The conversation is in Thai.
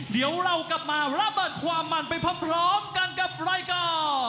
เดี๋ยวเรากลับมาระเบิดความมันไปพร้อมกันกับรายการ